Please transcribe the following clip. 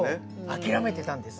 諦めてたんです。